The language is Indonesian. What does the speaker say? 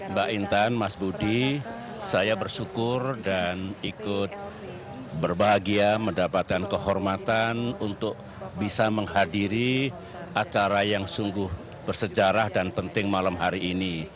mbak intan mas budi saya bersyukur dan ikut berbahagia mendapatkan kehormatan untuk bisa menghadiri acara yang sungguh bersejarah dan penting malam hari ini